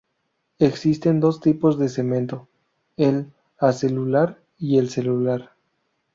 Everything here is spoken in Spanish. Existen dos tipos de cemento: el acelular y el celular.